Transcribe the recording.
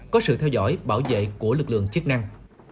có sự theo dõi bảo vệ của lực lượng chức năng